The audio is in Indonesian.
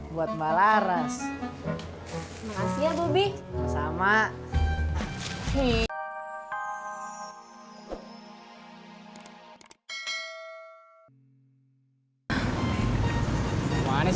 buat mbak laras makasih ya bobby sama sama ini